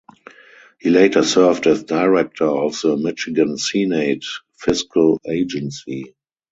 He later served as Director of the Michigan Senate Fiscal Agency.